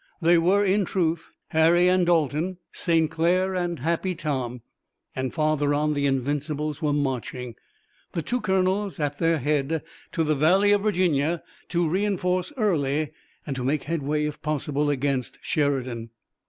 They were in truth Harry and Dalton, St. Clair and Happy Tom, and farther on the Invincibles were marching, the two colonels at their head, to the Valley of Virginia to reinforce Early, and to make headway, if possible, against Sheridan.